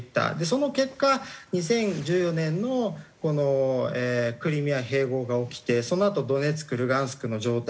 その結果２０１４年のこのクリミア併合が起きてそのあとドネツクルハンシクの状態が起きた。